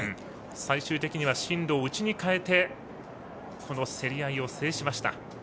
最終的には進路を内にかえてこの競り合いを制しました。